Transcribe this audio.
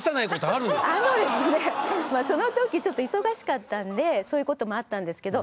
あのですねその時ちょっと忙しかったんでそういうこともあったんですけど。